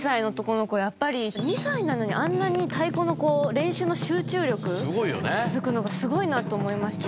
やっぱり２歳なのにあんなに太鼓の練習の集中力続くのがすごいなと思いましたし。